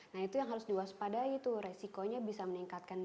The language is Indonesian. nah itu yang harus diwaspadai tuh resikonya bisa meningkatkan